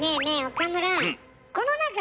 岡村。